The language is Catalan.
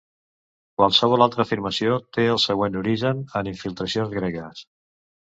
Qualsevol altra afirmació té el seu origen en infiltracions gregues.